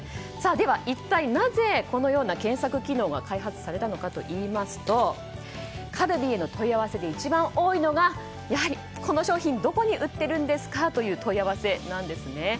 では一体なぜ、このような検索機能が開発されたのかといいますとカルビーの問い合わせで一番多いのがやはりこの商品どこに売っているんですかという問い合わせなんですね。